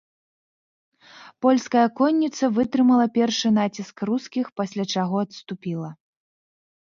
Польская конніца вытрымала першы націск рускіх, пасля чаго адступіла.